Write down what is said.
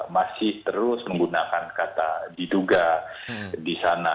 masih terus menggunakan kata diduga di sana